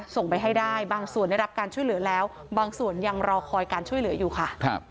ส่งไปให้ได้บางส่วนได้รับการช่วยเหลือแล้วบางส่วนยังรอคอยการช่วยเหลืออยู่ค่ะ